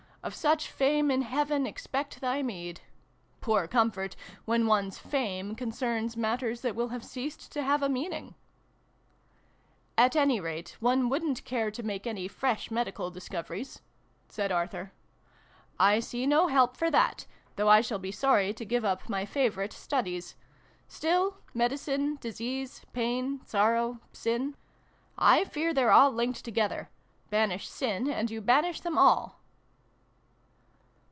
' Of so much fame in heaven expect thy meed. ' Poor comfort, when one's ' fame ' concerns matters that will have ceased to have a meaning !"" At any rate, one wouldn't care to make any fresh medical discoveries," said Arthur. xvi] BEYOND THESE VOICES. 257 " I see no help for that though I shall be sorry to give up my favorite studies. Still, medicine, disease, pain, sorrow, sin 1 fear they're all linked together. Banish sin, and you banish them all